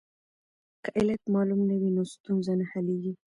که علت معلوم نه وي نو ستونزه نه حلیږي.